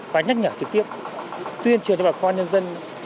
và nhắc nhở trực tiếp tuyên truyền cho bà con nhân dân